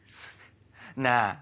なぁ